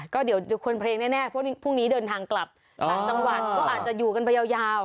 ก็เดี๋ยวคนเพลงแน่เพราะพรุ่งนี้เดินทางกลับต่างจังหวัดก็อาจจะอยู่กันไปยาว